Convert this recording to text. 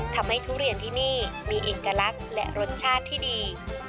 ทุเรียนที่นี่มีเอกลักษณ์และรสชาติที่ดี